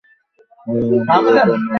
ওই হারামজাদা তো অন্ততপক্ষে শাস্তি পেতো!